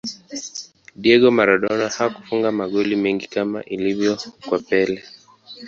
diego maradona hakufunga magoli mengi kama ilivyo kwa pele